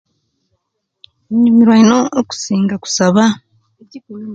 Inyumirwa ino okusinga kusaba